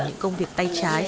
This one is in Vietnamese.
những công việc tài chính